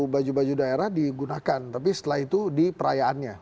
baju baju daerah digunakan tapi setelah itu di perayaannya